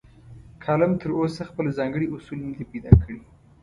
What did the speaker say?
کالم تراوسه خپل ځانګړي اصول نه دي پیدا کړي.